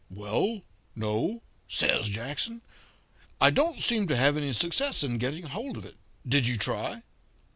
"'Well, no,' says Jackson. 'I don't seem to have any success in getting hold of it. Did you try?'